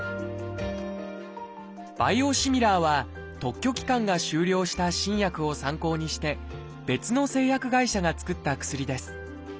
「バイオシミラー」は特許期間が終了した新薬を参考にして別の製薬会社が作った薬です。